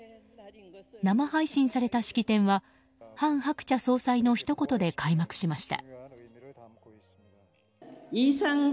生配信された式典は韓鶴子総裁のひと言で開幕しました。